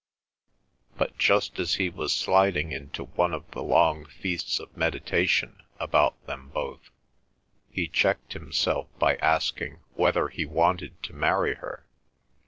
But just as he was sliding into one of the long feasts of meditation about them both, he checked himself by asking whether he wanted to marry her?